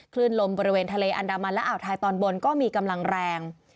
คลื่นลมบริเวณทะเลอันดามันและอ่าวไทยตอนบนก็มีกำลังแรง